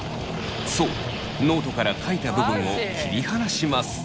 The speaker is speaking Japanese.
そうノートから書いた部分を切り離します。